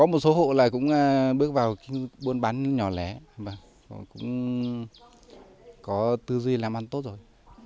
một số hộ lại cũng bước vào buôn bán nhỏ lẻ cũng có tư duy làm ăn tốt rồi